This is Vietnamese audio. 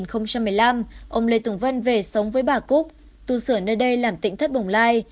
năm hai nghìn một mươi năm ông lê tùng vân về sống với bà cúc tu sửa nơi đây làm tỉnh thất bồng lai